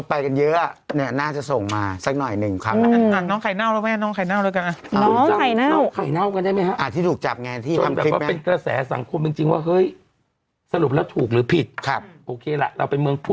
เพราะบางคนพ่อแม่เขาเปิดออกมาเขาตกใจลูกเขาอยู่